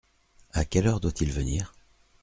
À quelle heure doit-il venir ?